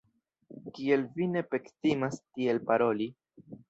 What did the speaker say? Kiel vi ne pektimas tiel paroli!